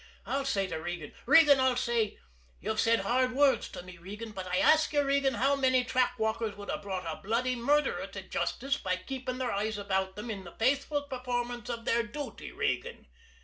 I'll say to Regan: 'Regan,' I'll say, 'you've said hard words to me, Regan, but I ask you, Regan, how many track walkers would have brought a bloody murderer to justice by keeping their eyes about them in the faithful performance of their duty, Regan?